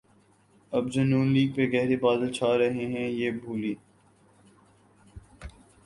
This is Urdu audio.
اب جب نون لیگ پہ گہرے بادل چھا رہے ہیں‘ یہ بھولی